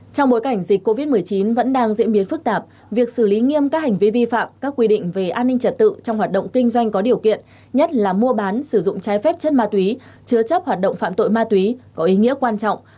trong bối cảnh dịch covid một mươi chín vẫn đang diễn biến phức tạp việc xử lý nghiêm các hành vi vi phạm các quy định về an ninh trật tự trong hoạt động kinh doanh có điều kiện nhất là mua bán sử dụng trái phép chất ma túy chứa chấp hoạt động phạm tội ma túy có ý nghĩa quan trọng